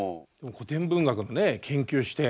古典文学のね研究して。